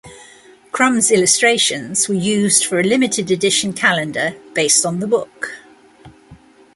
Crumb's illustrations were used for a limited-edition calendar based on the book.